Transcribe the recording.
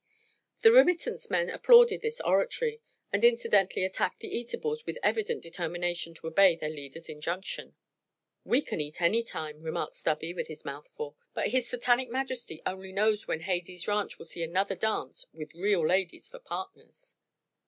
The remittance men applauded this oratory, and incidentally attacked the eatables with evident determination to obey their leader's injunction. "We can eat any time," remarked Stubby, with his mouth full; "but his Satanic majesty only knows when Hades Ranch will see another dance with real ladies for partners."